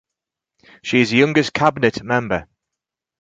She is the youngest cabinet member.